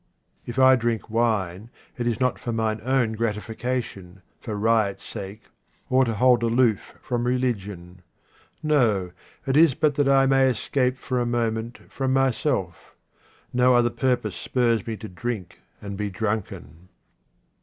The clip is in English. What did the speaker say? If I drink wine it is not for mine own gratifi cation, for riot's sake, or to hold aloof from religion. No, it is but that I may escape for a moment from myself. No other purpose spurs me to drink and be drunken.